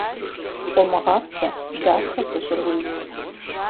Къумыгъапцӏэ дахэ зыщӏыр уигу.